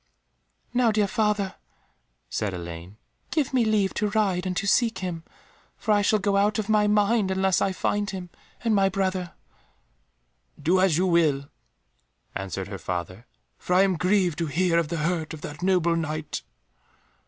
"Now, dear father," said Elaine, "give me leave to ride and to seek him, for I shall go out of my mind unless I find him and my brother." "Do as you will," answered her father, "for I am grieved to hear of the hurt of that noble Knight."